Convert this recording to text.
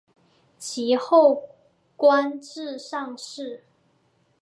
其后官至上士。